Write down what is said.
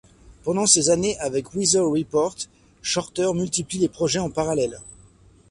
Pendant ses années avec Weather Report, Shorter multiplie les projets en parallèle.